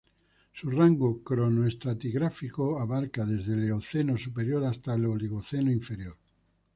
Su rango cronoestratigráfico abarca desde el Eoceno superior hasta el Oligoceno inferior.